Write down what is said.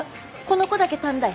この子だけ短大。